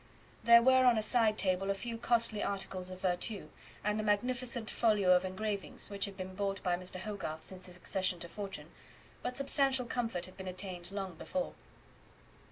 There were on a side table a few costly articles of VERTU, and a magnificent folio of engravings, which had been bought by Mr. Hogarth since his accession to fortune; but substantial comfort had been attained long before.